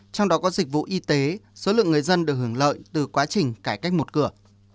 trong đó có dịch vụ y tế số lượng người dân được hưởng lợi từ quá trình cải cách một cửa